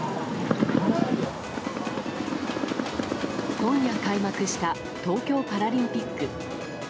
今夜開幕した東京パラリンピック。